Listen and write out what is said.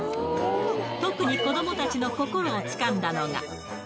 特に子どもたちの心をつかんだのが。